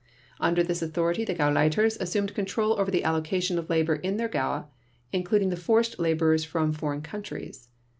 Under this authority the Gauleiters assumed control over the allocation of labor in their Gaue, including the forced laborers from foreign countries.